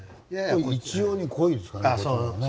一様に濃いですかねこちらはね。